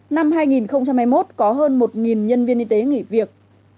năm hai nghìn hai mươi một có hơn một nhân viên y tế nghỉ việc